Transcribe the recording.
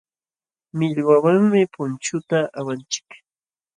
Millwawanmi punchuta awanchik.